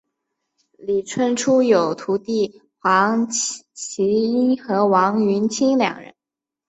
李春初有徒弟黄麒英和王云清两人。